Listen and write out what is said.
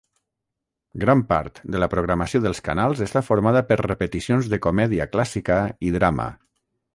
Gran part de la programació dels canals està formada per repeticions de comèdia clàssica i drama.